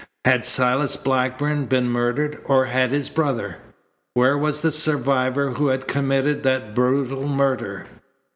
Had Silas Blackburn been murdered or had his brother? Where was the survivor who had committed that brutal murder?